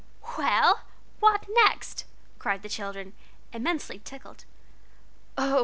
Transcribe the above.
"Well, what next?" cried the children, immensely tickled. "Oh!"